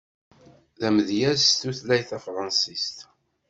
D amedyaz s tutlayt tafransist.